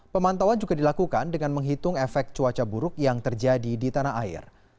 pemantauan juga dilakukan dengan menghitung efek cuaca buruk yang terjadi di tanah air